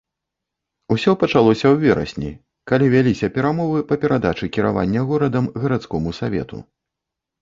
Усё пачалося ў верасні, калі вяліся перамовы па перадачы кіравання горадам гарадскому савету.